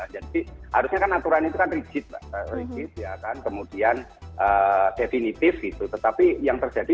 jadi harusnya kan aturan itu kan rigid kemudian definitif tetapi yang terjadi